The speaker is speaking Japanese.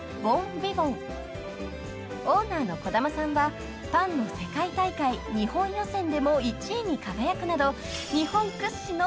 ［オーナーの児玉さんはパンの世界大会日本予選でも１位に輝くなど］